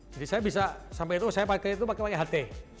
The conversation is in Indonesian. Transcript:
jadi saya bisa sampai itu pakai itu pakai ht